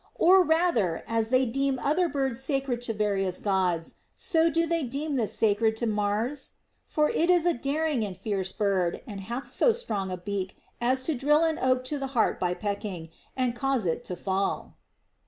Or rather, as they deem other birds sacred to various Gods, so do they deem this sacred to Mars \ For it is a daring and fierce bird, and hath so strong a beak as to drill an oak to the heart by pecking, and cause it to fall.